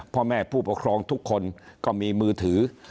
พ่อแม่ผู้ปกครองทุกคนก็มีมือถือ